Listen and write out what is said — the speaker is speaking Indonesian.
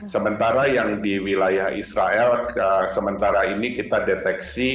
sementara yang di wilayah israel sementara ini kita deteksi